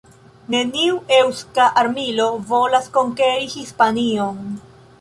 Neniu eŭska armilo volas konkeri Hispanion".